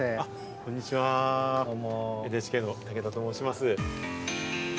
ＮＨＫの武田と申します。